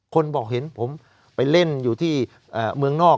คนบอกเห็นผมไปเล่นอยู่ที่เมืองนอก